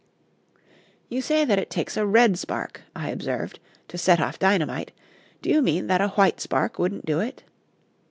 "You say that it takes a red spark," I observed, "to set off dynamite. Do you mean that a white spark wouldn't do it?"